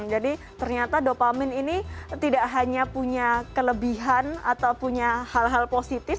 jadi ternyata dopamin ini tidak hanya punya kelebihan atau punya hal hal positif